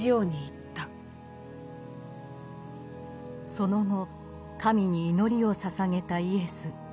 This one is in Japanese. その後神に祈りを捧げたイエス。